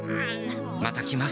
また来ます